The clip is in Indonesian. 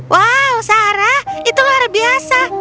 wow sarah itu luar biasa